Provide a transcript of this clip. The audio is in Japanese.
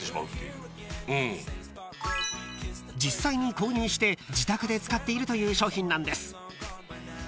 ［実際に購入して自宅で使っているという商品なんです］